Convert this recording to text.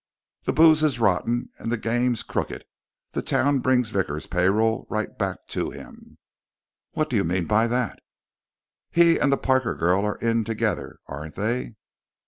"The booze is rotten and the games crooked. The town brings Vickers' payroll right back to him." "What do you mean by that?" "He and the Parker girl are in together, aren't they?"